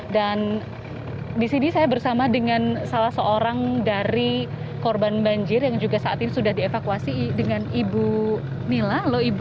dan di sini saya bersama dengan salah seorang dari korban banjir yang juga saat ini sudah dievakuasi dengan ibu mila